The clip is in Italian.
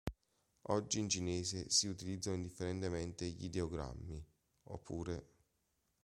Oggi, in cinese, si utilizzano indifferentemente gli ideogrammi 張三丰 oppure 張三峰.